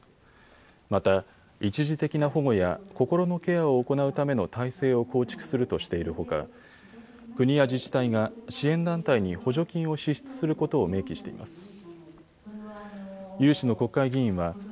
また一時的な保護や心のケアを行うための体制を構築するとしているほか国や自治体が支援団体に補助金を支出することを明記しています。